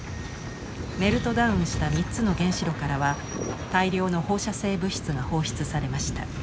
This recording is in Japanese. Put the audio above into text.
メルトダウンした３つの原子炉からは大量の放射性物質が放出されました。